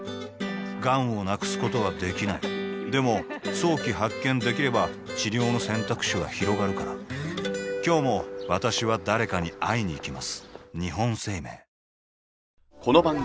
がんを無くすことはできないでも早期発見できれば治療の選択肢はひろがるから今日も私は誰かに会いにいきます